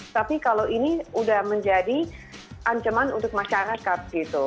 tapi kalau ini sudah menjadi ancaman untuk masyarakat gitu